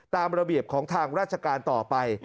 ตามระเบียบของทางราชการต่อไป